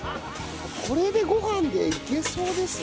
これでご飯でいけそうですね。